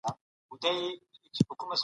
کله به نړیواله ټولنه تړون تایید کړي؟